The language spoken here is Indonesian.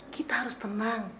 kita harus tenang